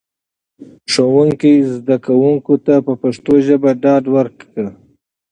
ښوونکي زده کوونکو ته په پښتو ژبه ډاډ ورکړ.